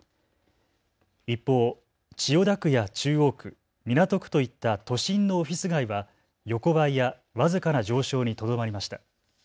一方、千代田区や中央区、港区といった都心のオフィス街は横ばいや僅かな上昇にとどまりました。